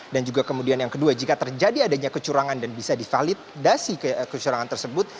dan juga kemudian yang kedua jika terjadi adanya kecurangan dan bisa divalidasi kecurangan tersebut